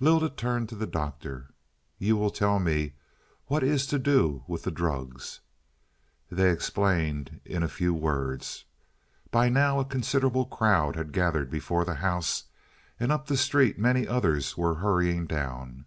Lylda turned to the Doctor. "You will tell me, what is to do with the drugs?" They explained in a few words. By now a considerable crowd had gathered before the house, and up the street many others were hurrying down.